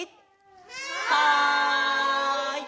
はい！